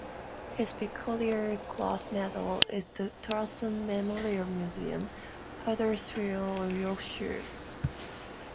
His Victoria Cross medal is in the Tolson Memorial Museum, Huddersfield, Yorkshire.